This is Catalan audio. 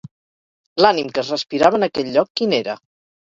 L'ànim que es respirava en aquell lloc, quin era?